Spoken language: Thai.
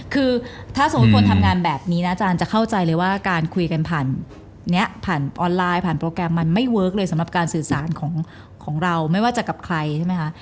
คือถ้าสมมุติคนทำงานแบบนี้นะอาจารย์จะเข้าใจเลยว่าการคุยกันผ่านนี้ผ่านออนไลน์ผ่านโปรแกรมมันไม่เวิร์คเลยสำหรับการสื่อสารของเราไม่ว่าจะกับใครใช่ไหมคะ